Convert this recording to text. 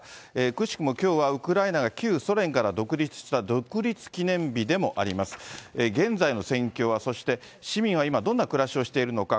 くしくもきょうはウクライナが旧ソ連から独立した独立記念日でもあります。現在の戦況は、そして、市民は今、どんな暮らしをしているのか。